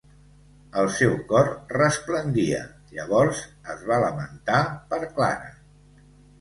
El seu cor resplendia; llavors es va lamentar per Clara.